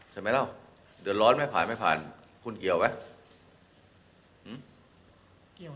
ใช่ไหมเล่าเดือดร้อนไม่ผ่านไม่ผ่านคุณเกี่ยวไหม